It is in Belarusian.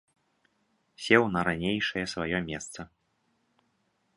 Сеў на ранейшае сваё месца.